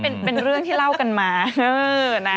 เป็นเรื่องที่เล่ากันมา